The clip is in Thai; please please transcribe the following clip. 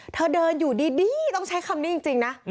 เธอเดินอยู่ดีต้องใช้คำนี้จริงนะ